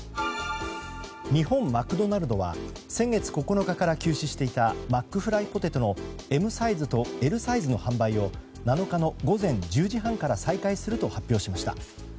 日本マクドナルドは先月９日から休止していたマックフライポテトのＭサイズとＬサイズの販売を７日の午前１０時半から再開すると発表しました。